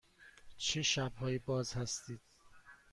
چه شب هایی باز هستید؟